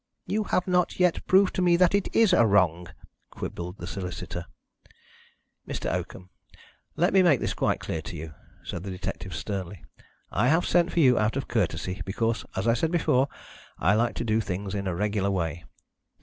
"You have not yet proved to me that it is a wrong," quibbled the solicitor. "Mr. Oakham, let me make this quite clear to you," said the detective sternly. "I have sent for you out of courtesy, because, as I said before, I like to do things in a regular way.